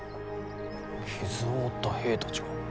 傷を負った兵たちが？